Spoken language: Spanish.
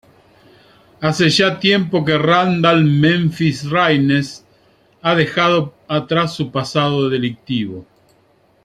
Hace ya tiempo que Randall "Memphis" Raines ha dejado atrás su pasado delictivo.